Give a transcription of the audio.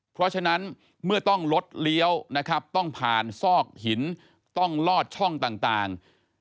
เพราะฉะนั้นเมื่อต้องลดเลี้ยวนะครับต้องผ่านซอกหินต้องลอดช่องต่าง